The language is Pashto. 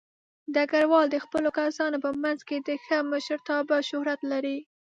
ډګروال د خپلو کسانو په منځ کې د ښه مشرتابه شهرت لري.